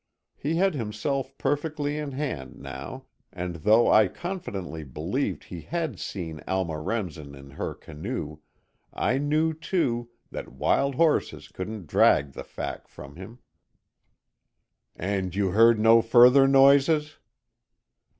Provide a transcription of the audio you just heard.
He had himself perfectly in hand, now, and though I confidently believed he had seen Alma Remsen in her canoe, I knew, too, that wild horses couldn't drag the fact from him. "And you heard no further noises?"